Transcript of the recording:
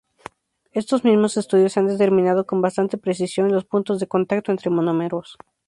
Estos mismos estudios han determinado con bastante precisión los puntos de contacto entre monómeros.